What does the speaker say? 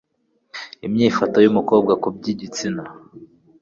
imyifato y'umukobwa ku byigitsina